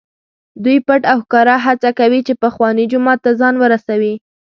دوی پټ او ښکاره هڅه کوي چې پخواني جومات ته ځان ورسوي.